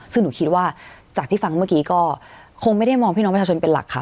ซึ่งหนูคิดว่าจากที่ฟังเมื่อกี้ก็คงไม่ได้มองพี่น้องประชาชนเป็นหลักค่ะ